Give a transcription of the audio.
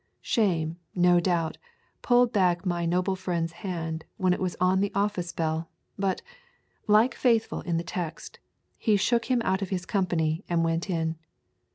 Shame, no doubt, pulled back my noble friend's hand when it was on the office bell, but, like Faithful in the text, he shook him out of his company and went in.